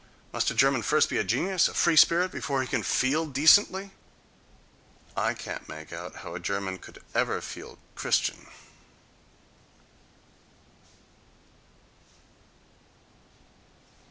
must a German first be a genius, a free spirit, before he can feel decently? I can't make out how a German could ever feel Christian....